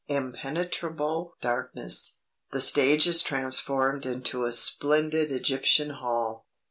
Impenetrable darkness. The stage is transformed into a splendid Egyptian hall.